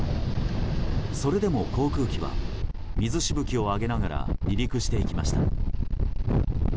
それでも航空機は水しぶきを上げながら離陸していきました。